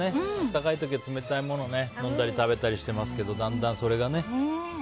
暖かい時は冷たいものとか飲んだり食べたりしてますけどだんだんそれがね。